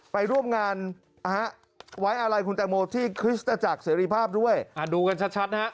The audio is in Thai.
ไปร่วมงานไว้อะไรคุณแตงโมที่คริสตจักรเสรีภาพด้วยดูกันชัดนะฮะ